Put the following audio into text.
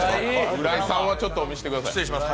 浦井さんはちょっと見せてください。